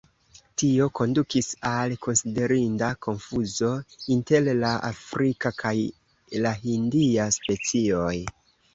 Tio kondukis al konsiderinda konfuzo inter la afrika kaj la hindia specioj.